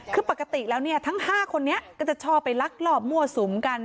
คือปกติแล้วเนี่ยทั้ง๕คนนี้ก็จะชอบไปลักลอบมั่วสุมกัน